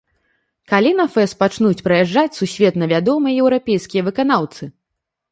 Калі на фэст пачнуць прыязджаць сусветна вядомыя еўрапейскія выканаўцы?